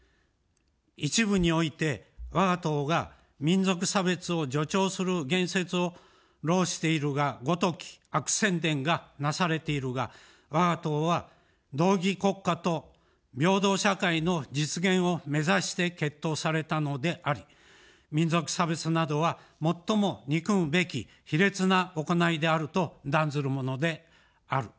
一部において、わが党が、民族差別を助長する言説を弄しているがごとき悪宣伝がなされているが、わが党は道義国家と平等社会の実現を目指して結党されたのであり、民族差別などはもっとも憎むべき卑劣な行いであると断ずるものである。